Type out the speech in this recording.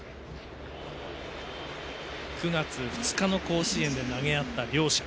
９月２日の甲子園で投げ合った両者。